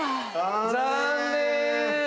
残念！